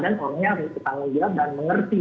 dan orangnya harus tetangga dan mengerti